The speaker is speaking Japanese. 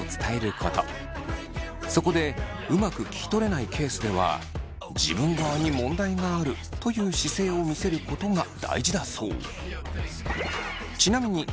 そこでうまく聞き取れないケースでは自分側に問題があるという姿勢を見せることが大事だそう。